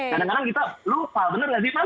kadang kadang kita lupa bener nggak sih pan